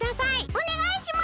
おねがいします！